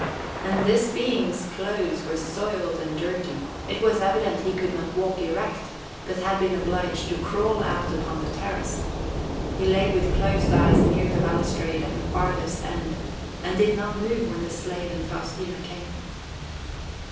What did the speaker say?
And this being's clothes were soiled and dusty. It was evident he could not walk erect, but had been obliged to crawl out upon the terrace. He lay with closed eyes near the balustrade at the farthest end, and did not move when the slave and Faustina came.